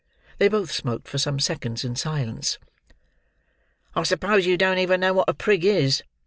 They both smoked, for some seconds, in silence. "I suppose you don't even know what a prig is?"